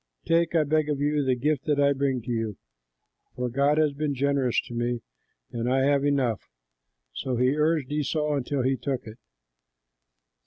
Take, I beg of you, the gift that I bring to you, for God has been generous to me, and I have enough." So he urged Esau until he took it.